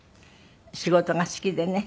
仕事が好きでね。